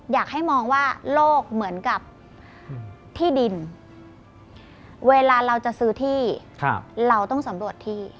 อยากให้มองว่าโลกเหมือนกับที่ดินเวลาเราจะซื้อที่เราต้องสำรวจที่